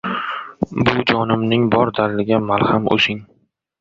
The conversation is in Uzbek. Bu jonimning bor dardiga malham o‘zing